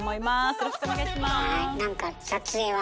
よろしくお願いします。